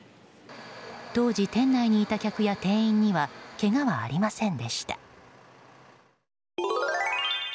当時、店内にいた客や店員にはけがはありませんでした。